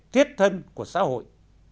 thiết thân của xã hội